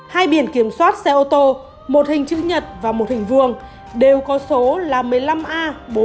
hai biển kiểm soát xe ô tô một hình chữ nhật và một hình vườn đều có số là một mươi năm a bốn mươi nghìn chín trăm hai mươi ba